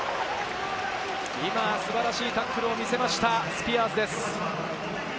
今、素晴らしいタックルを見せました、スピアーズです。